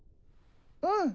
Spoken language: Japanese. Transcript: うん。